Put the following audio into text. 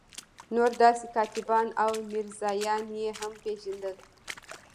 نور داسې کاتبان او میرزایان یې هم پېژندل.